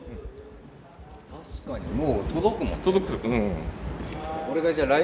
確かにもう届くもん。